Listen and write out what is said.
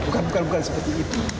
bukan bukan seperti itu